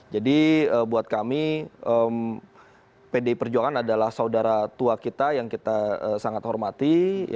jadi buat kami pdi perjuangan adalah saudara tua kita yang kita sangat hormati